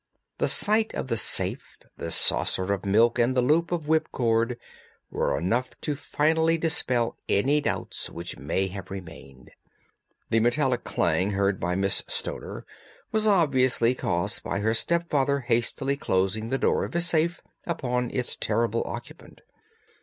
The sight of the safe, the saucer of milk, and the loop of whipcord were enough to finally dispel any doubts which may have remained. The metallic clang heard by Miss Stoner was obviously caused by her stepfather hastily closing the door of his safe upon its terrible occupant.